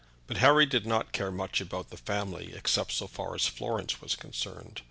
But Harry did not care much about the family except so far as Florence was concerned.